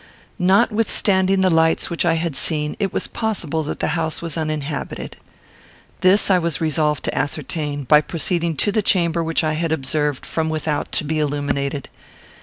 Notwithstanding the lights which I had seen, it was possible that the house was uninhabited. This I was resolved to ascertain, by proceeding to the chamber which I had observed, from without, to be illuminated.